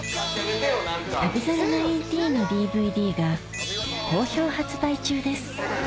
『旅猿１９』のＤＶＤが好評発売中です